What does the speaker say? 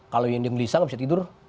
kalau yang digelisah nggak bisa tidur